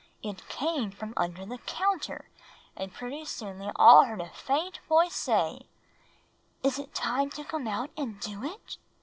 "It came from under the counter; and pretty soon they all heard a faint voice say, 'Is it time to come out and do it?